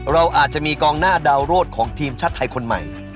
เราอาจจะมีกองหน้าดาวโรดของทีมชาติไทยคนใหม่